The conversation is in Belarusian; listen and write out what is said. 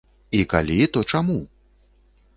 І калі, то чаму?